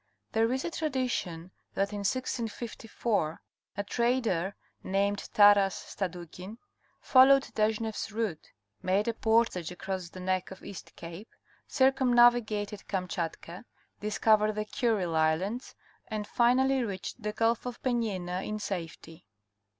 There is a tradition that in 1654 a trader named Taras Stadu kin followed Deshneff's route, made a portage across the neck of East Cape, circumnavigated Kamchatka, discovered the Kurile Islands, and finally reached the Gulf of Penjina in safety.